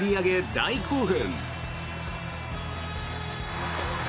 大興奮。